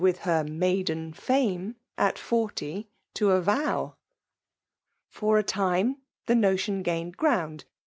with her maiden fame (at forty) to avow, For a time the notion gained ground.